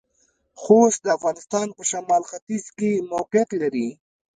خوست د افغانستان پۀ شمالختيځ کې موقعيت لري.